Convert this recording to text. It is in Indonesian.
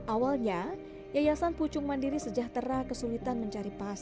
awalnya yayasan pucung mandiri sejahtera kesulitan mencari pasangan